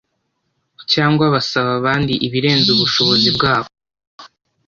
cyangwa basaba abandi ibirenze ubushobozi bwabo